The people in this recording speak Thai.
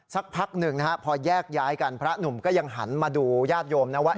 สักพักหนึ่งนะฮะพอแยกย้ายกันพระหนุ่มก็ยังหันมาดูญาติโยมนะว่า